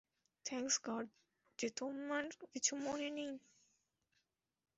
Thanks God, যে তোমার কিছু মনে নেই।